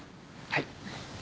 はい。